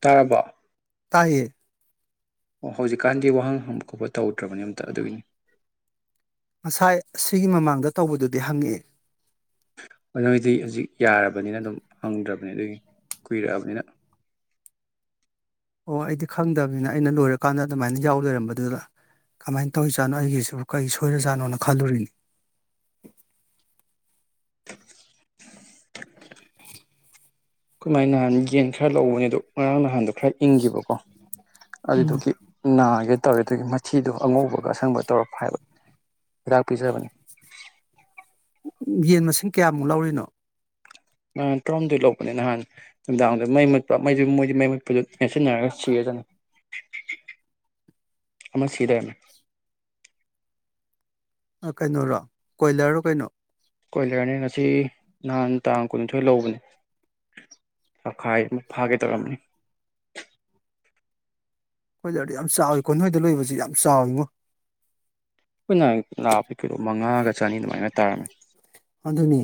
ꯇꯥꯔꯕ ꯇꯥꯏꯌꯦ ꯑꯣ ꯍꯧꯖꯤꯛꯀꯥꯟꯗꯤ ꯋꯥꯍꯪ ꯍꯪꯕ ꯈꯣꯄ ꯇꯧꯗ꯭ꯔꯕꯅꯤ ꯑꯝꯇ ꯑꯗꯨꯒꯤꯅꯤ ꯉꯁꯥꯏ ꯑꯁꯤꯒꯤ ꯃꯃꯥꯡꯗ ꯇꯧꯕꯗꯨꯗꯤ ꯍꯪꯉꯛꯑꯦ ꯅꯣꯏꯗꯤ ꯍꯧꯖꯤꯛ ꯌꯥꯔꯕꯅꯤꯅ ꯑꯗꯨꯝ ꯍꯪꯗ꯭ꯔꯕꯅꯤ ꯑꯗꯨꯒꯤ ꯀꯨꯏꯔꯛꯑꯕꯅꯤꯅ ꯑꯣ ꯑꯩꯗꯤ ꯈꯪꯗꯕꯅꯤꯅ ꯑꯩꯅ ꯂꯣꯏꯔꯀꯥꯟꯗ ꯑꯗꯨꯃꯥꯏꯅ ꯌꯥꯎ ꯂꯩꯏꯔꯝꯕꯗꯨꯗ ꯀꯃꯥꯏꯅ ꯇꯧꯔꯤꯖꯥꯠꯅꯣ ꯑꯩꯒꯤꯁꯨ ꯀꯩ ꯁꯣꯏꯔꯖꯥꯠꯅꯣꯅ ꯈꯜꯂꯨꯔꯤꯅꯤ [unintelligible] ꯈꯣꯢꯃꯥꯏ ꯅꯍꯥꯟ ꯌꯦꯟ ꯈꯔ ꯂꯧꯕꯅꯦ ꯑꯗꯨ ꯉꯔꯥꯡ ꯅꯍꯥꯟꯗꯣ ꯈꯔ ꯏꯪꯈꯤꯕꯀꯣ ꯎꯝ ꯑꯗꯨꯗꯨꯒꯤ ꯅꯥꯒꯦ ꯇꯧꯔꯦ ꯑꯗꯨꯒꯤ ꯃꯊꯤꯗꯨ ꯑꯉꯧꯕꯒ ꯑꯁꯪꯕ ꯇꯧꯔꯛꯄ ꯍꯥꯏꯕ ꯍꯤꯗꯥꯛ ꯄꯤꯖꯕꯅꯤ ꯌꯦꯟ ꯃꯁꯤꯡ ꯀꯌꯥꯃꯨꯛ ꯂꯧꯔꯤꯅꯣ ꯅꯍꯥꯟ ꯇꯔꯨꯍꯨꯝꯗꯣꯏ ꯂꯧꯕꯅꯦ ꯅꯍꯥꯟ ꯅꯨꯡꯗꯥꯡꯗ ꯃꯩ ꯃꯨꯠꯄ ꯃꯩ ꯃꯣꯏꯗꯤ ꯃꯩ ꯃꯨꯠꯄꯗꯨꯗ ꯅꯦꯠꯁꯤꯟꯅꯔꯒ ꯁꯤꯔꯖꯥꯠꯅꯤ ꯑꯃ ꯁꯤ ꯂꯩꯔꯝꯃꯦ ꯀꯩꯅꯣꯔꯣ ꯀꯣꯏꯂꯔꯔꯣ ꯀꯩꯅꯣ ꯀꯣꯏꯂꯔꯅꯤ ꯉꯁꯤ ꯅꯍꯥꯟ ꯇꯥꯡ ꯀꯨꯟꯅꯤꯊꯣꯏ ꯂꯧꯕꯅꯤ ꯇꯪꯈꯥꯏꯃꯨꯛ ꯐꯥꯒꯦ ꯇꯧꯔꯝꯕꯅꯤ ꯗꯔꯗꯤ ꯌꯥꯝ ꯆꯥꯎꯋꯤꯀꯣ ꯅꯣꯏꯗ ꯂꯣꯏꯕꯁꯤ ꯌꯥꯝ ꯆꯥꯎꯋꯤꯉꯣ ꯑꯩꯈꯣꯏꯅ ꯂꯥꯞꯄ ꯀꯤꯂꯣ ꯃꯉꯥꯒ ꯆꯅꯤ ꯑꯗꯨꯃꯥꯏꯅ ꯇꯥꯔꯃꯦ ꯑꯗꯨꯅꯤ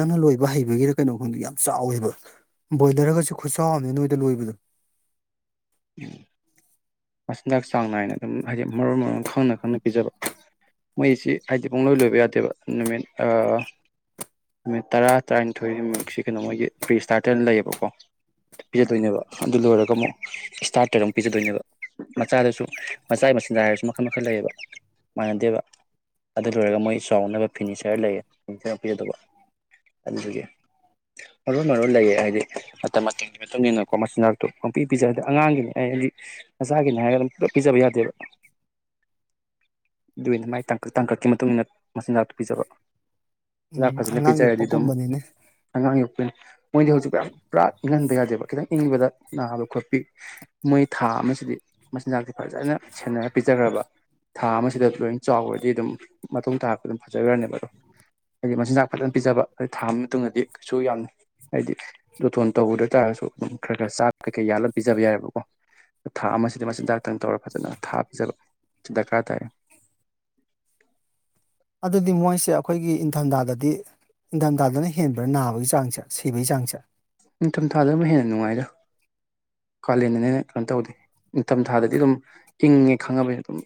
ꯅꯪꯅ ꯂꯣꯏꯕ ꯍꯩꯕꯒꯤꯗ ꯀꯩꯅꯣ ꯈꯪꯗ ꯌꯥꯝ ꯆꯥꯎꯋꯦꯕ ꯕꯣꯏꯂꯔꯒꯁꯨ ꯈꯨꯠꯆꯥꯎꯝꯅꯦ ꯅꯣꯏꯗ ꯂꯣꯏꯕꯗꯣ ꯎꯝ ꯃꯆꯤꯟꯖꯥꯛ ꯆꯥꯡ ꯅꯥꯏꯅ ꯑꯗꯨꯝ ꯍꯥꯏꯗꯤ ꯃꯔꯣꯟ ꯃꯔꯣꯡ ꯈꯪꯅ ꯈꯪꯅ ꯄꯤꯖꯕ ꯃꯣꯏꯁꯤ ꯍꯥꯏꯗꯤ ꯄꯨꯡꯂꯣꯏ ꯂꯣꯏꯕ ꯌꯥꯗꯦꯕ ꯅꯨꯃꯤꯠ ꯅꯨꯃꯤꯠ ꯇꯔꯥ ꯇꯔꯥꯅꯤꯊꯣꯏꯛꯁꯤ ꯀꯩꯅꯣ ꯃꯣꯏꯒꯤ ꯄ꯭ꯔꯤ ꯏꯁꯇꯥꯔꯇꯔꯅ ꯂꯩꯌꯦꯕꯀꯣ ꯄꯤꯖꯗꯣꯏꯅꯦꯕ ꯑꯗꯨ ꯂꯣꯏꯔꯒ ꯑꯃꯨꯛ ꯏꯁꯇꯥꯔꯇꯔ ꯑꯃꯨꯛ ꯄꯤꯖꯗꯣꯏꯅꯦꯕ ꯃꯆꯥꯗꯁꯨ ꯃꯆꯥꯒꯤ ꯃꯆꯤꯟꯗ ꯍꯥꯏꯔꯁꯨ ꯃꯈꯜ ꯃꯈꯜ ꯂꯩꯌꯦꯕ ꯃꯥꯟꯅꯗꯦꯕ ꯑꯗꯨ ꯂꯣꯏꯔꯒ ꯃꯣꯏ ꯆꯥꯎꯅꯕ ꯐꯤꯅꯤꯆꯔ ꯂꯩꯌꯦ ꯐꯤꯅꯤꯆꯔ ꯄꯤꯖꯗꯧꯕ ꯑꯗꯨꯗꯒꯤ ꯃꯔꯣꯟ ꯃꯔꯣꯟ ꯂꯩꯌꯦ ꯍꯥꯏꯗꯤ ꯃꯇꯝ ꯃꯇꯝꯒꯤ ꯃꯇꯨꯡ ꯏꯟꯅꯀꯣ ꯃꯆꯤꯟꯅꯥꯛꯇꯣ ꯄꯪꯄꯤ ꯄꯤꯖ ꯍꯥꯏꯗꯤ ꯑꯉꯥꯡꯒꯤꯅꯤ ꯑꯩ ꯍꯥꯏꯗꯤ ꯃꯆꯥꯒꯤꯅꯦ ꯍꯥꯏꯔꯒ ꯑꯗꯨꯝ ꯄꯨꯂꯞ ꯄꯤꯖꯕ ꯌꯥꯗꯦꯕ ꯑꯗꯨꯒꯤꯅꯤ ꯃꯥꯏ ꯇꯥꯡꯀꯛꯀꯤ ꯃꯇꯨꯡ ꯏꯟꯅ ꯃꯆꯤꯟꯖꯥꯛ ꯄꯤꯖꯕ ꯃꯆꯤꯟꯆꯥꯛ ꯎꯝ ꯐꯖꯅ ꯑꯉꯥꯡ ꯄꯤꯖꯔꯗꯤ ꯑꯗꯨꯝ ꯌꯣꯛꯄꯒꯨꯝꯕꯅꯤꯅꯦ ꯑꯉꯥꯡ ꯌꯣꯛꯄꯤꯅ ꯃꯣꯏꯗꯤ ꯍꯧꯖꯤꯛ ꯌꯥꯝ ꯄꯨꯔꯥ ꯏꯪꯍꯟꯕ ꯌꯥꯗꯦꯕ ꯈꯤꯇꯪ ꯏꯪꯕꯗ ꯅꯥꯕ ꯈꯣꯠꯄꯤ ꯃꯣꯏ ꯊꯥ ꯑꯃ ꯁꯤꯗꯤ ꯃꯆꯤꯟꯖꯥꯛꯁꯤ ꯐꯖꯅ ꯁꯦꯟꯅꯔ ꯄꯤꯖꯈ꯭ꯔꯕ ꯊꯥ ꯑꯃꯁꯤꯗ ꯂꯣꯏ ꯆꯥꯎꯈ꯭ꯔꯗꯤ ꯑꯗꯨꯝ ꯃꯇꯨꯡ ꯇꯥꯔꯛꯄ ꯑꯗꯨꯝ ꯐꯖꯈ꯭ꯔꯅꯦꯕ ꯑꯗꯣ ꯍꯥꯏꯗꯤ ꯃꯆꯤꯟꯖꯥꯛ ꯐꯖꯅ ꯄꯤꯖꯕ ꯑ ꯊꯥ ꯑꯃꯒꯤ ꯃꯇꯨꯡꯗꯗꯤ ꯀꯩꯁꯨ ꯌꯥꯝ ꯍꯥꯏꯕꯗꯤ ꯖꯣꯇꯣꯟ ꯇꯧꯗ ꯇꯥꯔꯒꯁꯨ ꯑꯗꯨꯝ ꯈꯔ ꯈꯔ ꯆꯥꯛ ꯀꯩꯀꯩ ꯌꯥꯜꯂꯒ ꯄꯤꯖꯕ ꯌꯥꯏꯔꯦꯕꯀꯣ ꯊꯥ ꯑꯃꯁꯤꯗ ꯃꯆꯤꯟꯖꯥꯛꯇꯪ ꯇꯧꯔ ꯐꯖꯅ ꯊꯥ ꯄꯤꯖꯕ ꯗꯔꯀꯥꯔ ꯇꯥꯏ ꯑꯗꯨꯗꯤ ꯃꯣꯏꯁꯦ ꯑꯩꯈꯣꯏꯒꯤ ꯏꯪꯊꯝꯊꯥꯗꯗꯤ ꯏꯪꯊꯝꯊꯥꯗꯅ ꯍꯦꯟꯕ꯭ꯔꯥ ꯅꯥꯕꯒꯤ ꯆꯥꯡꯁꯦ ꯁꯤꯕꯒꯤ ꯆꯥꯡꯁꯦ ꯅꯤꯡꯊꯝꯊꯥꯗ ꯑꯃꯨꯛ ꯍꯦꯟꯅ ꯅꯨꯡꯉꯥꯏꯗ ꯀꯥꯂꯦꯟꯗꯅꯦꯅꯦ ꯀꯩꯅꯣ ꯇꯧꯗꯦ ꯅꯤꯡꯊꯝ ꯊꯥꯗꯗꯤ ꯑꯗꯨꯝ ꯏꯪꯉꯦ ꯈꯪꯉꯕꯅꯤꯅ ꯑꯗꯨꯝ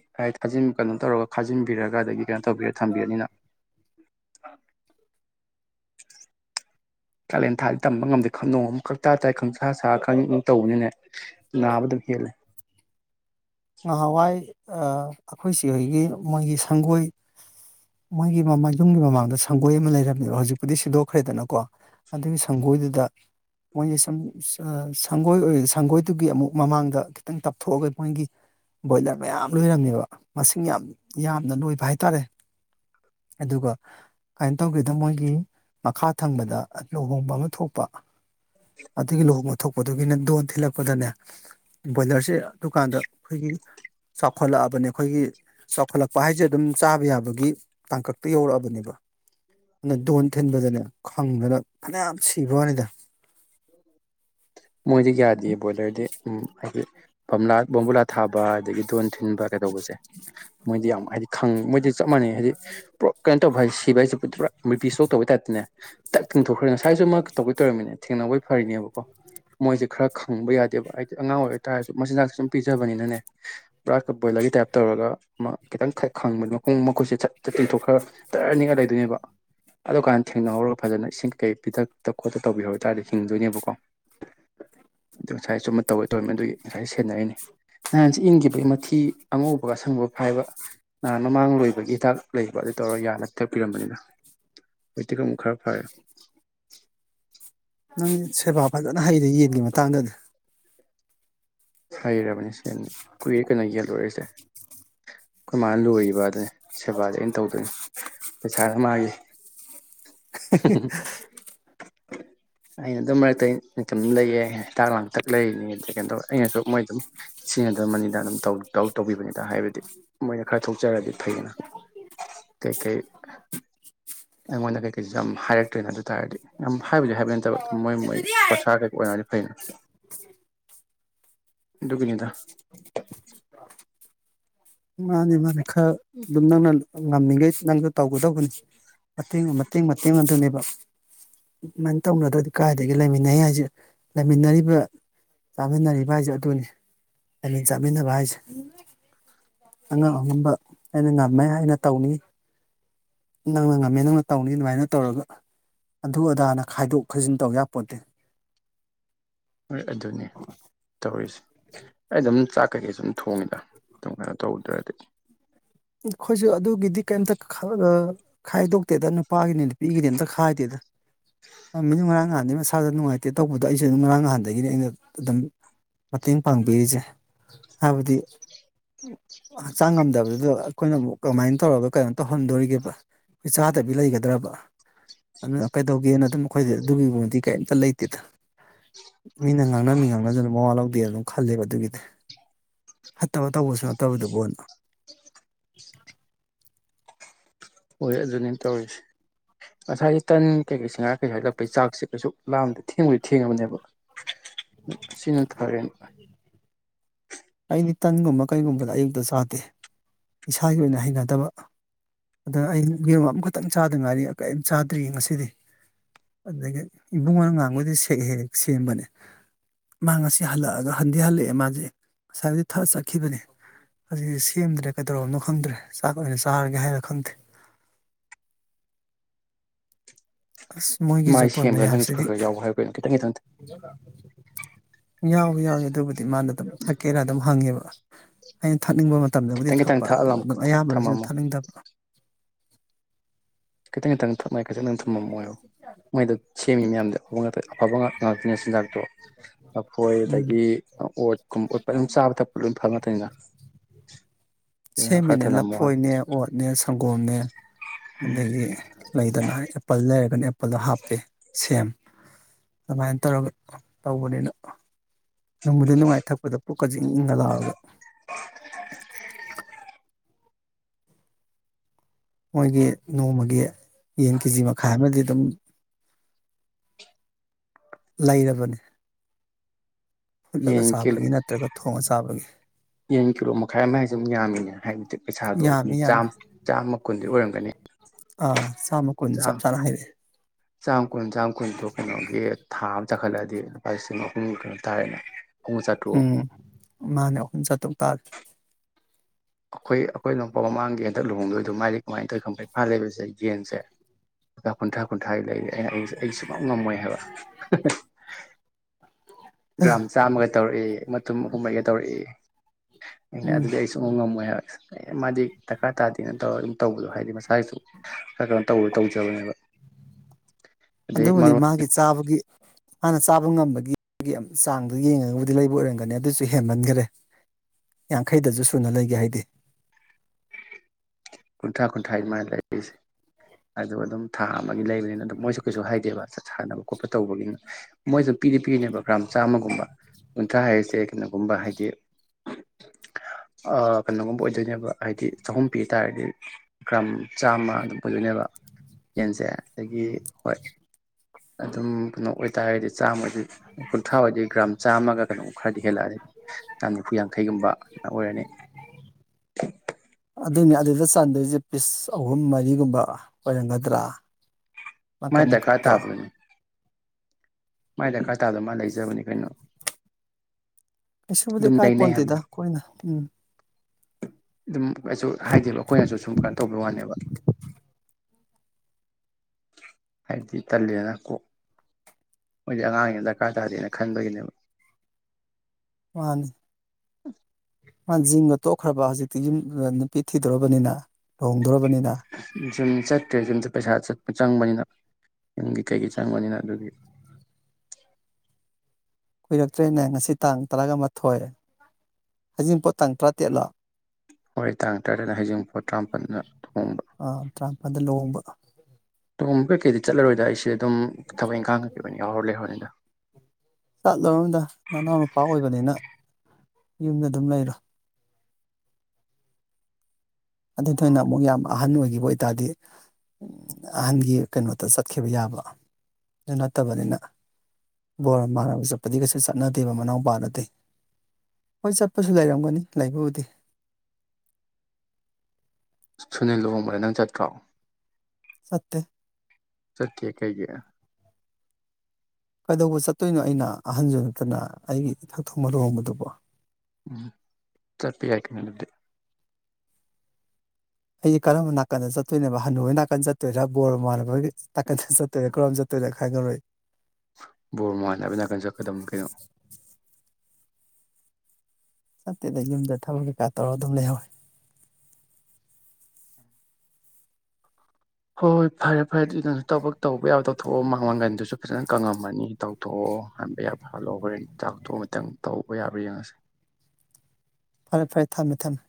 ꯀꯩꯅꯣ ꯇꯧꯔꯒ ꯈꯥꯖꯤꯟꯕꯤꯔꯒ ꯑꯗꯒꯤ ꯀꯩꯅꯣ ꯇꯧꯕꯤꯔ ꯊꯝꯕꯤꯔꯅꯤꯅ ꯀꯥꯂꯦꯟ ꯊꯥꯗꯤ ꯇꯝꯕ ꯉꯝꯗꯦ ꯈꯪ ꯅꯣꯡ ꯑꯃꯨꯛꯈ ꯇꯥ ꯇꯥꯏ ꯈꯪ ꯁꯥ ꯁꯥ ꯈꯪ ꯇꯧꯕꯅꯤꯅꯦ ꯅꯥꯕ ꯑꯗꯨꯝ ꯍꯦꯜꯂꯦ ꯉꯍꯥꯟꯋꯥꯏ ꯑꯩꯈꯣꯏ ꯆꯦꯍꯣꯏꯒꯤ ꯃꯣꯏꯒꯤ ꯁꯪꯒꯣꯏ ꯃꯣꯏꯒꯤ ꯃꯌꯨꯝꯒꯤ ꯃꯃꯥꯡꯗ ꯁꯪꯒꯣꯏ ꯑꯃ ꯂꯩꯔꯝꯃꯦꯕ ꯍꯧꯖꯤꯛꯄꯨꯗꯤ ꯁꯤꯗꯣꯛꯈ꯭ꯔꯦꯗꯅꯀꯣ ꯑꯗꯨꯒꯤ ꯁꯪꯒꯣꯏꯗꯨꯗ ꯃꯣꯏꯁ ꯁꯨꯝ ꯁꯪꯒꯣꯏ ꯁꯪꯒꯣꯏꯗꯨꯒꯤ ꯑꯃꯨꯛ ꯃꯃꯥꯡꯗ ꯈꯤꯇꯪ ꯇꯞꯊꯣꯛꯑꯒ ꯃꯣꯏꯒꯤ ꯕꯣꯏꯂꯔ ꯃꯌꯥꯝ ꯂꯣꯏꯔꯝꯃꯦꯕ ꯃꯁꯤꯡ ꯌꯥꯝ ꯌꯥꯝꯅ ꯂꯣꯏꯕ ꯍꯥꯏꯇꯥꯔꯦ ꯑꯗꯨꯒ ꯀꯃꯥꯏꯅ ꯇꯧꯒꯦꯗ ꯃꯣꯏꯒꯤ ꯃꯈꯥ ꯊꯪꯕꯗ ꯂꯨꯍꯣꯡꯕ ꯑꯃ ꯊꯣꯛꯄ ꯑꯗꯒꯤ ꯂꯍꯣꯛꯕ ꯊꯣꯛꯄ ꯑꯗꯨꯒꯤꯅ ꯗꯣꯟ ꯊꯤꯜꯂꯛꯄꯗꯅꯦ ꯕꯣꯏꯂꯔꯁꯦ ꯑꯗꯨꯀꯥꯟꯗ ꯑꯩꯈꯣꯏꯒꯤ ꯆꯥꯎꯈꯠꯂꯛꯑꯕꯅꯦ ꯑꯩꯈꯣꯏꯒꯤ ꯆꯥꯎꯈꯠꯂꯛꯄ ꯍꯥꯏꯁꯦ ꯑꯗꯨꯝ ꯆꯥꯕ ꯌꯥꯕꯒꯤ ꯇꯥꯡꯀꯛꯇ ꯌꯧꯔꯛꯑꯕꯅꯦꯕ ꯅ ꯗꯣꯟ ꯊꯤꯟꯕꯗꯅꯦ ꯈꯪꯗꯅ ꯐꯅꯌꯥꯝ ꯁꯤꯕꯋꯥꯅꯤꯗ ꯃꯣꯏꯗꯤ ꯌꯥꯗꯤ ꯕꯣꯏꯂꯔꯗꯤ ꯎꯝ ꯍꯥꯏꯗꯤ ꯕꯣꯝꯕꯨꯂꯥ ꯊꯥꯕ ꯑꯗꯒꯤ ꯗꯣꯟ ꯊꯤꯟꯕ ꯀꯩꯗꯧꯕꯁꯦ ꯃꯣꯏꯗꯤ ꯌꯥꯝ ꯍꯥꯏꯗꯤ ꯈꯪꯉꯤ ꯃꯣꯏꯗꯤ ꯆꯞ ꯃꯥꯟꯅꯩ ꯍꯥꯏꯗꯤ ꯄꯨꯔꯞ ꯀꯩꯅꯣ ꯇꯧꯕ ꯍꯥꯏꯗꯤ ꯁꯤꯕ ꯍꯥꯏ ꯆꯄ ꯄꯨꯔꯥ ꯔꯤꯄꯤ ꯏꯁꯇꯣꯛ ꯇꯧꯕꯩ ꯇꯥꯏꯞꯇꯅꯦ ꯇꯛ ꯇꯤꯡꯊꯣꯛꯈ꯭ꯔꯦ ꯉꯁꯥꯏꯁꯨ ꯑꯃ ꯇꯧꯕꯩ ꯇꯧꯔꯝꯃꯤꯅꯦ ꯊꯦꯡꯅꯕ ꯐꯔꯤꯅꯦꯕꯀꯣ ꯃꯣꯏꯁꯦ ꯈꯔ ꯈꯪꯕ ꯌꯥꯗꯦꯕ ꯑꯉꯥꯡ ꯑꯣꯏꯇꯥꯔꯁꯨ ꯃꯆꯤꯟꯖꯥꯛꯁꯦ ꯁꯨꯝ ꯄꯤꯖꯕꯅꯤꯅꯅꯦ ꯕ꯭ꯔꯥꯁꯀ ꯕꯣꯏꯂꯔꯒꯤ ꯇꯥꯏꯞ ꯇꯧꯔꯒ ꯑꯃ ꯈꯤꯇꯪ ꯈꯪꯕ ꯃꯈꯣꯡ ꯃꯈꯨꯠꯁꯦ ꯆꯠ ꯆꯠ ꯇꯤꯡꯊꯣꯛꯈ꯭ꯔ ꯇꯔꯅꯤꯡꯉ ꯂꯩꯗꯣꯏꯅꯦꯕ ꯑꯗꯨꯀꯥꯟꯗ ꯊꯦꯡꯅꯍꯧꯔꯒ ꯐꯖꯅ ꯏꯁꯤꯡ ꯀꯩ ꯄꯤꯊꯛꯇ ꯈꯣꯠꯇ ꯇꯧꯕꯤꯍꯧ ꯇꯥꯔꯗꯤ ꯍꯤꯡꯗꯣꯏꯅꯦꯕꯀꯣ ꯑꯗꯨꯗꯣ ꯉꯁꯥꯏ ꯆꯨꯝꯕ ꯇꯧꯋꯦ ꯇꯣꯔꯃꯦꯟꯗꯨꯒꯤ ꯉꯁꯥꯏ ꯁꯦꯟꯅꯔꯤꯅꯦ ꯅꯍꯥꯟꯁꯤ ꯏꯪꯈꯤꯕꯒꯤ ꯃꯊꯤ ꯑꯉꯧꯕꯒ ꯑꯁꯪꯕ ꯐꯥꯏꯕ ꯅꯍꯥꯟ ꯃꯃꯥꯡ ꯂꯣꯏꯕꯒꯤ ꯍꯤꯗꯥꯛ ꯂꯩꯕ ꯑꯗꯨ ꯇꯧꯔꯒ ꯌꯥꯅꯛꯇ ꯄꯔꯝꯕꯅꯤꯅ ꯍꯧꯖꯤꯛꯇꯤ ꯑꯃꯨꯛ ꯈꯔ ꯐꯔꯦ ꯅꯪ ꯁꯦꯕꯥ ꯐꯖꯅ ꯍꯩꯔ ꯌꯦꯟꯒꯤ ꯃꯇꯥꯡꯗꯅꯦ ꯍꯩꯔꯕꯅꯤ ꯁꯤ ꯀꯨꯏꯔꯦ ꯀꯩꯅꯣ ꯌꯦꯜꯂꯣꯏꯔꯤꯁꯦ ꯑꯩꯈꯣꯏ ꯃꯥꯅ ꯂꯣꯏꯔꯤꯕ ꯑꯗꯨꯅꯤ ꯁꯦꯕꯥꯗ ꯑꯩꯅ ꯇꯧꯗꯣꯏꯅꯤ ꯄꯩꯁꯥꯅ ꯃꯥꯒꯤ ꯀ [inaudible] ꯑꯩꯅ ꯑꯗꯨꯝ ꯃꯔꯛꯇ ꯅꯤꯡꯊꯝ ꯂꯩꯑꯦ ꯍꯤꯗꯥꯛ ꯂꯥꯡꯊꯛ ꯂꯩꯔꯤꯅꯤ ꯀꯩꯅꯣ ꯇꯧꯔꯦ ꯑꯩꯅꯁꯨ ꯃꯣꯏ ꯑꯗꯨꯝ ꯁꯤꯖꯤꯟꯅꯗꯕꯕꯅꯤꯗ ꯑꯗꯨꯝ ꯇ ꯇꯧꯕꯤꯕꯅꯤꯗ ꯍꯥꯏꯕꯗꯤ ꯃꯣꯏꯅ ꯈꯔ ꯊꯣꯛꯆꯔꯗꯤ ꯐꯩꯗꯅ ꯀꯩꯀꯩ ꯑꯩꯉꯣꯟꯗ ꯀꯩꯀꯩꯁꯨ ꯌꯥꯝ ꯍꯥꯏꯔꯛꯇ꯭ꯔꯦꯅ ꯑꯗꯨ ꯇꯥꯔꯗꯤ ꯌꯥꯝ ꯍꯥꯏꯕꯗꯤ ꯍꯥꯏꯕ ꯅꯠꯇꯕ ꯑꯗꯨꯝ ꯃꯣꯏ ꯃꯣꯏ ꯑꯗꯨꯗꯤ ꯌꯥꯔꯦ ꯄꯣꯁꯥ ꯀꯩꯀꯩ ꯑꯣꯏꯅꯔꯗꯤ ꯐꯅ ꯒꯅꯤꯗ [unintelligible] ꯃꯥꯅꯤ ꯃꯥꯅꯤ ꯈꯔ ꯑꯗꯨꯝ ꯅꯪꯅ ꯉꯝꯃꯤꯈꯩ ꯅꯪꯁꯨ ꯇꯧꯒꯗꯧꯕꯅꯤ ꯃꯇꯦꯡ ꯃꯇꯦꯡ ꯃꯇꯦꯡ ꯑꯗꯨꯅꯦꯕ ꯑꯗꯨꯃꯥꯏꯅ ꯇꯧꯅꯗ꯭ꯔꯗꯤ ꯀꯥꯏꯗꯒꯤ ꯂꯩꯃꯤꯟꯅꯩ ꯍꯥꯏꯁꯦ ꯂꯩꯃꯤꯟꯅꯔꯤꯕ ꯆꯥꯃꯤꯟꯅꯔꯤꯕ ꯍꯥꯏꯁꯦ ꯑꯗꯨꯅꯤ ꯂꯩꯃꯤꯟ ꯆꯥꯃꯤꯟꯅꯕ ꯍꯥꯏꯁꯦ ꯑꯉꯝ ꯑꯉꯝꯕ ꯑꯩꯅ ꯉꯝꯃꯦ ꯑꯩꯅ ꯇꯧꯅꯤ ꯅꯪꯅ ꯉꯝꯃꯦ ꯅꯪꯅ ꯇꯧꯅꯤ ꯑꯗꯨꯃꯥꯏꯅ ꯇꯧꯔꯒ ꯑꯗꯨ ꯑꯗꯥꯅ ꯈꯥꯏꯗꯣꯛ ꯈꯥꯏꯖꯤꯟ ꯇꯧ ꯌꯥꯄꯣꯠꯇꯦ ꯍꯣꯏ ꯑꯗꯨꯅꯤ ꯇꯧꯔꯤꯁꯦ ꯎ [unintelligible] ꯑꯩ ꯑꯗꯨꯝ ꯆꯥꯛ ꯀꯩꯀꯩ ꯁꯨꯝ ꯊꯣꯡꯉꯤꯗ ꯑꯗꯨ ꯀꯥꯏꯅ ꯇꯧꯗ꯭ꯔꯗꯤ ꯑꯩꯈꯣꯏꯁꯨ ꯑꯗꯨꯒꯤꯗꯤ ꯀꯩꯝꯇ ꯈ ꯈꯥꯏꯗꯣꯛꯇꯦꯗ ꯅꯨꯄꯥꯒꯤꯅꯤ ꯅꯨꯄꯤꯒꯤꯗꯤ ꯑꯝꯇ ꯈꯥꯏꯗꯦꯗ ꯃꯤꯅ ꯉꯔꯥꯡ ꯅꯍꯥꯟꯗꯒꯤꯩ ꯃꯁꯥꯗ ꯅꯨꯡꯉꯥꯏꯇꯦ ꯇꯧꯕꯗꯣ ꯑꯩꯁꯨ ꯑꯗꯨꯝ ꯉꯔꯥꯡ ꯅꯍꯥꯟꯗꯒꯤꯅꯤ ꯑꯩꯅ ꯑꯗꯨꯝ ꯃꯇꯦꯡ ꯄꯥꯡꯕꯤꯔꯤꯁꯦ ꯍꯥꯏꯕꯗꯤ ꯍꯛꯆꯥꯡ ꯉꯝꯗꯕꯗꯨꯗ ꯑꯩꯈꯣꯏꯅ ꯑꯃꯨꯛ ꯀꯃꯥꯏꯅ ꯇꯧꯔꯒ ꯀꯩꯅꯣ ꯇꯧꯍꯟꯗꯣꯔꯤꯒꯦꯕ ꯑꯩꯈꯣꯏ ꯆꯥꯗꯕꯤ ꯂꯩꯒꯗ꯭ꯔꯕ ꯑꯗꯨꯅ ꯀꯩꯗꯧꯒꯦꯅ ꯑꯗꯨꯝ ꯑꯩꯈꯣꯏꯗ ꯑꯗꯨꯒꯤꯕꯨꯗꯤ ꯀꯩꯝꯇ ꯂꯩꯇꯦꯗ ꯃꯤꯅ ꯉꯥꯡꯅꯅꯤ ꯉꯥꯡꯅꯗꯅ ꯃꯋꯥ ꯂꯧꯗꯦꯅ ꯑꯗꯨꯝ ꯈꯜꯂꯦꯕ ꯑꯗꯨꯒꯤꯗꯤ ꯐꯠꯇꯕ ꯇꯧꯕꯁꯨ ꯅꯠꯇꯕꯗꯨꯕꯨꯣꯅ ꯍꯣꯏ ꯑꯗꯨꯅꯦ ꯇꯧꯔꯤꯁꯦ ꯉꯁꯥꯏꯒꯤ ꯇꯟ ꯀꯩꯀꯩꯁꯤꯡ ꯉꯥ ꯀꯩꯁꯨ ꯂꯥꯛꯄꯩ ꯆꯥꯛꯁꯦ ꯀꯩꯁꯨ ꯂꯥꯝꯗ ꯊꯦꯡꯕꯩ ꯊꯦꯡꯉꯕꯅꯦꯕ ꯁꯤꯅ ꯐꯔꯦꯅꯦ ꯑꯩꯗꯤ ꯇꯟꯒꯨꯝꯕ ꯀꯩꯒꯨꯝꯕꯗ ꯑꯌꯨꯛꯇ ꯆꯥꯗꯦ ꯏꯁꯥꯒꯤ ꯑꯣꯏꯅ ꯍꯩꯅꯗꯕ ꯑꯗ ꯑꯩ ꯌꯦꯡꯕ ꯑꯃꯈꯛꯇꯪ ꯆꯥꯗꯉꯥꯏꯔꯤ ꯀꯔꯤꯝ ꯆꯥꯗ꯭ꯔꯤ ꯉꯁꯤꯗꯤ ꯑꯗꯒꯤ ꯏꯕꯨꯡꯉꯅ ꯉꯥꯡꯕꯗꯤ ꯁꯦꯛ ꯍꯦꯛ ꯍꯦꯛ ꯁꯦꯝꯕꯅꯦ ꯃꯥ ꯉꯁꯤ ꯍꯜꯂꯛꯑꯒ ꯍꯟꯗꯤ ꯍꯜꯂꯛꯑꯦ ꯃꯥꯁꯦ ꯉꯁꯥꯏꯕꯗꯤ ꯊꯛꯑ ꯆꯠꯈꯤꯕꯅꯦ ꯑꯁꯤꯗꯤ ꯁꯦꯝꯗ꯭ꯔꯦ ꯀꯩꯗꯧꯔꯕꯅꯣ ꯈꯪꯗ꯭ꯔꯦ ꯆꯥꯛ ꯑꯣꯏꯅ ꯆꯥꯔꯒꯦ ꯍꯥꯏꯔ ꯈꯪꯗꯦ ꯑꯁ ꯃꯣꯏꯒꯤ ꯃꯥꯏ ꯖꯄꯣꯟ ꯁꯦꯝꯕꯗ ꯅꯪꯁꯨ ꯃꯌꯥꯝꯁꯤꯗꯤ ꯈꯔ ꯈꯔ ꯌꯥꯎꯕ ꯍꯥꯏꯕ ꯀꯩꯅꯣ ꯈꯤꯇꯪ ꯈꯤꯇꯪ ꯌꯥꯎ ꯌꯥꯎꯋꯦ ꯑꯗꯨꯕꯨ ꯃꯥꯅ ꯑꯗꯨꯝ ꯊꯛꯀꯦꯔ ꯑꯗꯨꯝ ꯍꯪꯉꯦꯕ ꯑ ꯊ [unintelligible] ꯊꯛꯅꯤꯡꯕ ꯃꯇꯝꯗꯕꯨꯗꯤ ꯈꯤꯇꯪ ꯈꯤꯇꯪ ꯊꯛꯄ ꯑꯗꯨ ꯊꯛꯍꯜꯂꯝꯃꯨ ꯑꯗꯨꯝ ꯑꯌꯥꯝꯕꯅꯁꯨ ꯊꯝꯃꯝꯃꯣ ꯊꯛꯅꯤꯡꯗꯕ ꯇ [unintelligible] ꯊꯛꯅꯏ ꯀꯁꯠ ꯅꯪ ꯊꯨꯝꯃꯝꯃ ꯑꯣꯏꯣ ꯃꯣꯏꯗ ꯁꯦꯝꯃꯤ ꯃꯌꯥꯝꯗ ꯑꯐꯕ ꯑꯐꯕ ꯉꯥꯛ ꯉꯥꯛꯇꯅ ꯆꯤꯟꯖꯥꯛꯇꯣ ꯂꯐꯣꯏ ꯎꯝ ꯑꯗꯒꯤ ꯑꯣꯠꯀꯨꯝ ꯑꯣꯠꯄ ꯑꯗꯨꯝ ꯆꯥꯕ ꯊꯛꯄ ꯂꯣꯏ ꯐꯕ ꯅꯠꯇꯅꯤꯗ ꯁꯦꯝ ꯃꯤꯅꯤ ꯅ ꯊꯅꯝꯃꯣ ꯐꯣꯏꯅꯦ ꯑꯣꯠꯅꯦ ꯁꯪꯒꯣꯝꯅꯦ ꯑꯗꯒꯤ ꯂꯩꯗꯅ ꯄꯜ [unintelligible] ꯒꯅꯤ [unintelligible] ꯍꯥꯞꯄꯗꯣ ꯍꯥꯞꯄꯦ ꯁꯦꯝ ꯑꯗꯨꯃꯥꯏꯅ ꯇꯧꯔꯒ ꯇꯧꯕꯅꯤꯅ ꯅꯣꯡꯕꯨꯗꯤ ꯅꯨꯡꯉꯥꯏ ꯊꯛꯄꯗ ꯀꯛꯆꯤꯡꯅ ꯂꯥꯛꯑꯒ ꯃꯣꯏꯒꯤ ꯅꯣꯡꯃꯒꯤ ꯌꯦꯟ ꯀꯦꯖꯤ ꯃꯈꯥꯏ ꯑꯃꯗꯤ ꯑꯗꯨꯝ ꯂꯩꯔꯕꯅꯤ ꯌꯦꯟ ꯀꯤꯂꯣ ꯅꯠꯇ꯭ꯔꯒ ꯊꯣꯡꯉ ꯆꯥꯕꯒꯤ ꯌꯦꯟ ꯀꯤꯂꯣ ꯃꯈꯥꯏ ꯑꯃ ꯍꯥꯏꯁꯦ ꯑꯃꯨꯛ ꯌꯥꯝꯃꯤꯅꯦ ꯍꯥꯏꯕꯗꯤ ꯄꯩꯁꯥꯗꯣ ꯑꯗꯨꯝ ꯌꯥꯝꯃꯤ ꯌꯥꯝꯃꯤ ꯆꯥꯝꯃ ꯀꯨꯟꯗꯤ ꯑꯣꯏꯔꯝꯒꯅꯤ ꯑꯥ ꯆꯥꯝꯃ ꯀꯨꯟ ꯆꯞ ꯆꯥꯅ ꯍꯥꯏꯔꯛꯑꯦ ꯆꯥꯝ ꯀꯨꯟ ꯆꯥꯝ ꯀꯨꯟꯗꯣ ꯀꯩꯅꯣꯒꯤ ꯊꯥ ꯆꯈꯠꯂꯗꯤ ꯃꯄꯨ ꯇꯥꯔꯦꯅ ꯎꯝ ꯃꯥꯅꯦ ꯑꯍꯨꯝ ꯆꯥꯇ꯭ꯔꯨꯛ ꯇꯥꯏ ꯑꯩꯈꯣꯏ ꯑꯩꯈꯣꯏ ꯂꯝꯄꯥꯛ ꯃꯃꯥꯡꯒꯤ ꯍꯟꯗꯛ ꯂꯨꯍꯣꯡꯗꯣꯏꯗꯣ ꯃꯥꯥꯏꯗꯤ ꯀꯃꯥꯏꯅ ꯇꯧꯈꯪ ꯏꯝꯐꯥꯜ ꯂꯩꯕꯁꯦ ꯌꯦꯟꯁꯦ ꯂꯨꯄꯥ ꯀꯨꯟꯊ꯭ꯔꯥ ꯀꯨꯟꯊ꯭ꯔꯥꯒꯤ ꯂꯩꯔꯦ ꯑꯩꯅ ꯑꯩꯁꯦ ꯑꯩ ꯁꯨꯛ ꯉꯝꯃꯣꯏ ꯍꯥꯏꯕ [unintelligible] ꯒꯔꯥꯝ ꯆꯝꯒ ꯇꯧꯔꯛꯏ ꯃꯇꯨꯝ ꯑꯍꯨꯝ ꯃꯔꯤꯒ ꯇꯧꯔꯛꯏ ꯑ ꯎꯝ ꯑꯗꯨꯗꯤ ꯑꯩ ꯁꯨꯛꯉꯝ ꯉꯝꯃꯣꯏ ꯃꯥꯗꯤ ꯗꯔꯀꯥꯔ ꯇꯥꯗꯦꯅ ꯇꯧꯔꯒ ꯑꯗꯨꯝ ꯇꯧꯕꯗꯣ ꯍꯥꯏꯗꯤ ꯃꯁꯥꯒꯤꯁꯨ ꯈꯔ ꯀꯩꯅꯣ ꯇꯧ ꯇꯧꯖꯕꯅꯦꯕ ꯑꯗꯩ ꯑꯗꯨꯕꯨꯗꯤ ꯃꯔꯣꯟ ꯃꯥꯒꯤ ꯆꯥꯕꯒꯤ ꯍꯥꯟꯅ ꯆꯥꯕ ꯉꯝꯕꯒꯤꯒꯤ ꯆꯥꯡꯗꯨꯣ ꯌꯦꯡꯉꯒꯕꯨꯗꯤ ꯂꯩꯕ ꯑꯣꯏꯔꯝꯒꯅꯤ ꯑꯗꯨꯁꯨ ꯍꯦꯟꯃꯟꯈꯔꯦ ꯌꯥꯡꯈꯩꯗꯁꯨ ꯁꯨꯅ ꯂꯩꯒꯦ ꯍꯥꯏꯗꯤ ꯀꯨꯟꯊ꯭ꯔꯥ ꯀꯨꯟꯊ꯭ꯔꯥ ꯑꯗꯨꯃꯥꯏꯅ ꯂꯩꯔꯤꯁꯦ ꯑꯗꯨꯒ ꯑꯗꯨꯝ ꯊꯥ ꯑꯃꯒꯤ ꯂꯩꯕꯅꯤꯅ ꯑꯗꯨꯝ ꯃꯣꯏꯁꯨ ꯀꯩꯁꯨ ꯍꯥꯏꯗꯦꯕ ꯁꯥꯟꯅꯕ ꯈꯣꯠꯄ ꯇꯧꯕꯒꯤꯅ ꯃꯣꯏꯁꯨ ꯄꯤꯗꯤ ꯄꯤꯔꯤꯅꯦꯕ ꯒ꯭ꯔꯥꯝ ꯆꯥꯝꯃꯒꯨꯝꯕ ꯀꯨꯟꯊ꯭ꯔꯥ ꯍꯥꯏꯔꯤꯁꯦ ꯀꯩꯅꯣꯒꯨꯝꯕ ꯍꯥꯏꯗꯤ ꯀꯩꯅꯣꯒꯨꯝꯕ ꯑꯣꯏꯗꯣꯏꯅꯦꯕ ꯍꯥꯏꯗꯤ ꯆꯍꯨꯝ ꯄꯤ ꯑꯣꯏꯇꯥꯔꯗꯤ ꯒ꯭ꯔꯥꯝ ꯆꯥꯝꯃ ꯑꯗꯨꯝ ꯑꯣꯏꯗꯣꯏꯅꯦꯕ ꯌꯦꯟꯁꯦ ꯑꯗꯒꯤ ꯍꯣꯏ ꯑꯗꯨꯝ ꯀꯩꯅꯣ ꯑꯣꯏꯇꯥꯔꯒꯗꯤ ꯆꯥꯝꯃ ꯍꯥꯏꯗꯤ ꯀꯨꯟꯊ꯭ꯔꯥ ꯍꯣꯏꯗꯤ ꯒ꯭ꯔꯥꯝ ꯆꯥꯝꯃꯒ ꯀꯩꯅꯣꯝ ꯈꯔꯗꯤ ꯍꯦꯜꯂꯛꯑꯅꯤ ꯆ ꯅꯤꯐꯨ ꯌꯥꯡꯈꯩꯒꯨꯝꯕ ꯑꯣꯏꯔꯅꯤ ꯑꯗꯨꯏꯅꯦ ꯑꯗꯨꯗ ꯆꯥꯟꯗꯣꯏꯁꯦ ꯄꯤꯁ ꯑꯍꯨꯝ ꯃꯔꯤꯒꯨꯝꯕ ꯑꯣꯏꯔꯝꯒꯗ꯭ꯔꯥ ꯃꯥꯏ ꯃꯀꯛ ꯗꯥꯔꯀꯔ ꯃꯀꯛꯇꯣ ꯇꯕꯗꯣ ꯃꯥꯏ ꯗꯔꯀꯥꯔ ꯇꯥꯕꯗꯣ ꯃꯥ ꯂꯩꯖꯕꯅꯤ ꯀꯩꯅꯣ ꯑꯩꯁꯨꯕꯨꯗꯤ ꯑꯗꯨꯝ ꯀꯥꯏ ꯂꯩꯅꯩ ꯄꯣꯟꯗꯦꯗ ꯍꯥꯏꯕꯅꯤ ꯑꯩꯈꯣꯏꯅ ꯎꯝ ꯑꯗꯨꯝ ꯀꯁꯨ ꯍꯥꯏꯗꯦꯕ ꯑꯩꯈꯣꯏꯅꯁꯨ ꯁꯨꯝ ꯀꯩꯅꯣ ꯇꯧꯕ ꯋꯥꯅꯦꯕ ꯍꯥꯏꯕꯗꯤ ꯇꯜꯂꯦꯅ ꯀꯣ ꯃꯣꯏꯗꯤ ꯑꯉꯥꯡꯁꯤꯅ ꯗꯔꯀꯥꯔ ꯇꯥꯗꯦꯅ ꯈꯟꯕꯒꯤꯅꯦꯕ ꯃꯥꯅꯤ ꯃꯥꯖꯤꯒ ꯇꯣꯛꯈ꯭ꯔꯕ ꯍꯧꯖꯤꯛꯇꯤ ꯌꯨꯝ ꯅꯨꯄꯤ ꯊꯤꯗꯣꯔꯔꯕꯅꯤꯅ ꯂꯨꯍꯣꯡ ꯖꯤꯝ ꯆꯠꯇꯔꯦ ꯖꯤꯝ ꯄꯩꯁꯥ ꯆꯠ ꯆꯪꯕꯅꯤꯅ ꯌꯨꯝꯒꯤ ꯀꯩꯒꯤ ꯆꯪꯕꯅꯤꯅ ꯑꯗꯨꯒꯤ ꯀꯨꯏꯔꯛꯇ꯭ꯔꯦꯅꯦ ꯉꯁꯤ ꯇꯥꯡ ꯇꯔꯥꯒ ꯃꯥꯊꯣꯏ ꯍꯖꯤꯡ ꯄꯣꯠ ꯇꯥꯡ ꯇꯔꯥꯇꯔꯦꯠꯂꯣꯑꯣ ꯍꯣꯔ ꯇꯥꯡ ꯇꯔꯅ ꯍꯩꯖꯤꯡꯕ ꯇ꯭ꯔꯝ ꯑꯅ ꯊꯣꯡ ꯑ ꯇꯔꯥꯅꯤꯄꯟꯗ ꯂꯣꯡꯝꯕ ꯑꯣꯕꯩ ꯀꯩꯗꯤ ꯆꯠꯂꯔꯣꯏꯗꯏ ꯑꯩꯁꯦ ꯑꯗꯨꯝ ꯊꯕꯛ ꯏꯪꯈꯥꯡ ꯀꯩꯀꯩ ꯑꯣꯏꯅ ꯌꯥꯎꯔ ꯂꯩꯍꯧꯔꯅꯤꯗ ꯆꯠꯂꯔꯝꯗ ꯅꯅꯥꯎꯅ ꯅꯨꯄꯥ ꯑꯣꯏꯕꯅꯤꯅ ꯌꯨꯝꯗ ꯑꯗꯨꯝ ꯂꯩꯔꯣ ꯑꯗꯨ ꯊꯣꯏꯅ ꯑꯃꯨꯛ ꯌꯥꯝ ꯑꯍꯟ ꯑꯣꯏꯈꯤꯕ ꯑꯣꯏꯇꯥꯥꯔꯗꯤ ꯑꯍꯟꯒꯤ ꯀꯩꯅꯣꯇ ꯆꯠꯈꯤꯕ ꯌꯥꯕ ꯑꯗꯨ ꯅꯠꯇꯕꯅꯤꯅ ꯕꯣꯔ ꯃꯥꯟꯅꯕ ꯆꯠꯄꯗꯤ ꯀꯩꯁꯨ ꯆꯠꯅꯗꯦꯕ ꯃꯅꯥꯎꯄꯥꯅꯗꯤꯦ ꯍꯣꯏ ꯆꯠꯄꯁꯨ ꯂꯩꯔꯝꯒꯅꯤ ꯂꯩꯕꯕꯨꯗꯤ ꯁꯨꯅꯤꯜ ꯂꯨꯍꯣꯡꯕ꯭ꯔꯦ ꯅꯪ ꯆꯠꯇ꯭ꯔꯣ ꯁꯠꯇ ꯆꯠ ꯊ ꯀꯩꯒ ꯀꯩꯗꯧꯕ ꯆꯠꯇꯣꯏꯅꯣ ꯑꯩꯅ ꯑꯍꯟꯁꯨ ꯅꯠꯇꯅ ꯑꯩꯒꯤ ꯏꯊꯛ ꯊꯣꯡꯕ ꯂꯨꯍꯣꯡꯕꯗꯨꯕꯨ ꯎꯝ ꯆꯔꯄꯤꯤ ꯌꯥꯏ ꯀꯅꯅꯗꯤ ꯑꯩꯁ ꯀꯔꯝꯕ ꯅꯥꯀꯟꯗ ꯆꯠꯇꯣꯏꯅꯣꯕ ꯍꯅꯨꯒꯤ ꯅꯥꯀꯟ ꯆꯠꯇꯣꯏꯔꯥ ꯕꯣꯔ ꯃꯥꯟꯥꯟꯕꯒꯤ ꯅꯥꯀꯟꯗ ꯆꯠꯇꯣꯏꯔꯥ ꯀꯔꯝꯕ ꯆꯠꯇꯣꯏꯔꯥ ꯈꯥꯏꯅꯔꯣꯏ ꯕꯣꯔꯃꯥꯟ ꯍꯥꯏꯕ ꯅꯥꯀꯟꯁꯨ ꯀꯗ ꯀꯅꯣ ꯆꯠꯇꯦꯗ ꯌꯨꯝꯗ ꯊꯕꯛ ꯀꯩꯀꯥ ꯇꯧꯔ ꯑꯗꯨꯝ ꯂꯩꯍꯧꯋꯦ ꯍꯣꯏ ꯍꯣꯏ ꯐꯔꯦ ꯐꯔꯦ ꯑꯗꯨꯪ ꯊꯕꯛ ꯇꯧꯕ ꯌꯥꯕ ꯇꯧꯊꯣꯛꯑꯣ ꯃꯥꯡꯃꯥꯡꯒꯟꯗꯨꯁꯨ ꯐꯖꯅ ꯀꯪꯉꯝꯃꯅꯤ ꯇꯧꯊꯣꯛꯑꯣ ꯍꯥꯏꯕ ꯌꯥꯕꯠꯂꯣꯑꯣ ꯍꯣꯔꯦꯟ ꯆꯥꯛꯊꯣꯛꯑ ꯑꯃꯇꯪ ꯇꯧꯕ ꯌꯥꯕ꯭ꯔꯥ ꯌꯦꯡꯉꯁ ꯐꯔꯦ ꯐꯔꯦ ꯊꯝꯃꯦ ꯊꯝꯃꯦ